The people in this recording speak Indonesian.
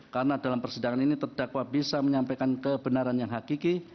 karena dalam persidangan ini terdakwa bisa menyampaikan kebenaran yang hakiki